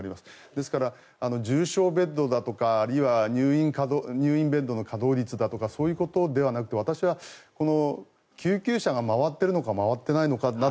ですから、重症ベッドだとかあるいは入院ベッドの稼働率だとかそういうことではなく私はこの救急車が回っているのか回っていないのかな